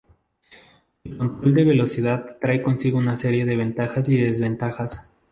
El control de velocidad trae consigo una serie de ventajas y desventajas.